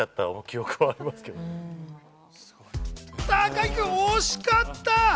高木君、惜しかった！